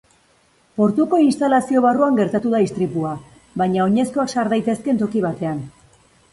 Portuko instalazio barruan gertatu da istripua, baina oinezkoak sar daitezkeen toki batean.